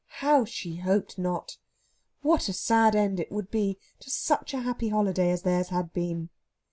How she hoped not! What a sad end it would be to such a happy holiday as theirs had been!